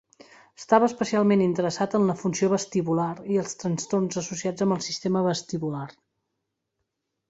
Estava especialment interessat en la funció vestibular i els trastorns associats amb el sistema vestibular.